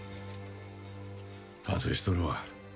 反省しとるわ。